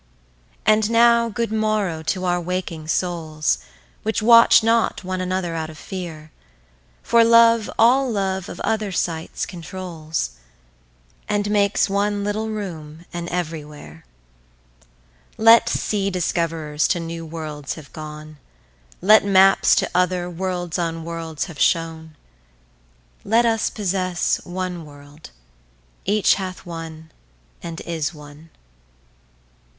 And now good morrow to our waking soules, Which watch not one another out of feare; For love, all love of other sights controules, And makes one little roome, an every where. Let sea discoverers to new worlds have gone, Let Maps to other, worlds on worlds have showne, Let us possesse one world, each hath one, and is one.